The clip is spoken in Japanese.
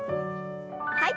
はい。